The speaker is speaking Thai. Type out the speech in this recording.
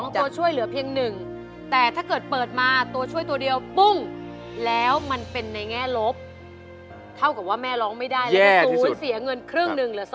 ตัวช่วยเหลือเพียง๑แต่ถ้าเกิดเปิดมาตัวช่วยตัวเดียวปุ้งแล้วมันเป็นในแง่ลบเท่ากับว่าแม่ร้องไม่ได้แล้วก็ศูนย์เสียเงินครึ่งหนึ่งเหลือ๒